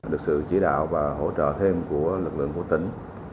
được sự chỉ đạo và hỗ trợ thêm của lực lượng của tỉnh